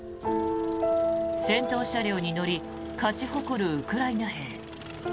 戦闘車両に乗り勝ち誇るウクライナ兵。